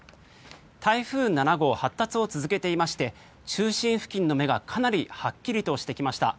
台風７号、発達を続けていまして中心付近の目がかなりはっきりとしてきました。